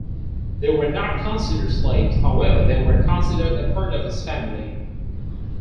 They were not considered slaves; however, they were considered a part of his family.